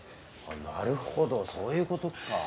なるほどそういう事か。